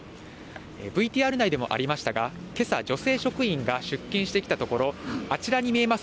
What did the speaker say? ＶＴＲ内でもありましたが、けさ、女性職員が出勤してきたところ、あちらに見えます